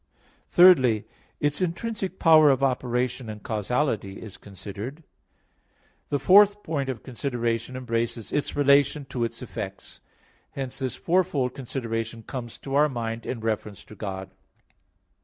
Thirdly, its intrinsic power of operation and causality is considered. The fourth point of consideration embraces its relation to its effects. Hence this fourfold consideration comes to our mind in reference to God.